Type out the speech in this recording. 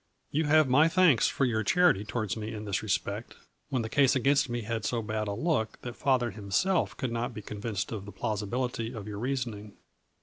You have my thanks for your charity towards me in this respect, when the case against me had so bad a look that father himself could not be convinced of the plausibil ity of your reasoning.